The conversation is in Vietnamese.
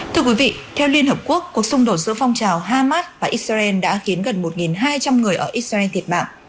thưa quý vị theo liên hợp quốc cuộc xung đột giữa phong trào hamas và israel đã khiến gần một hai trăm linh người ở israel thiệt mạng